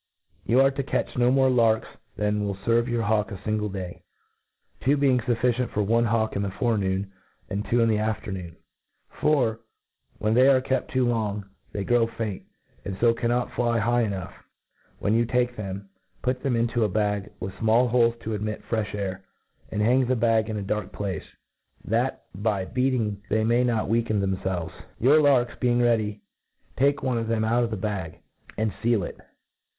You are to cat<;h no more larks than will ferve your hawk a iingfe day, two being fufficient for one hawk in the forenoon, and two in the af ternoon : For, when they are kept too long, they grow faint, and k^ cannot fly high enough. When you take them, put them into a bag, Vith fmall holes to admit frefh air; and hang tte bag in a dark place^ that by beating they inay not weaken themf^ves. Tow MODERN FAULCONRT. lyj Your larks being ready/ take one of thpm out of the bjig, and fiel it.